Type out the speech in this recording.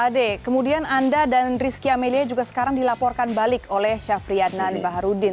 pak ade kemudian anda dan rizky amelia juga sekarang dilaporkan balik oleh syafri adnan baharudin